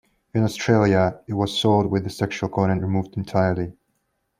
In Australia, it was sold with the sexual content removed entirely.